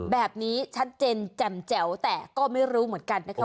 แบบนี้ชัดเจนแจ่มแจ๋วแต่ก็ไม่รู้เหมือนกันนะคะ